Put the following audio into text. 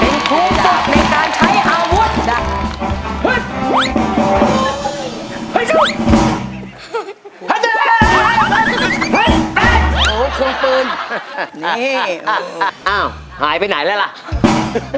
เอาใหม่อยากเป็นน้ำรวจเพราะอะไร